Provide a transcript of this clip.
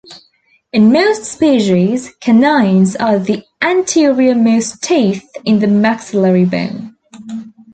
In most species, canines are the anterior-most teeth in the maxillary bone.